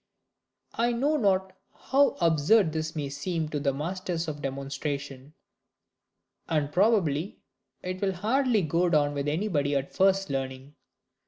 I know not how absurd this may seem to the masters of demonstration. And probably it will hardly go down with anybody at first hearing.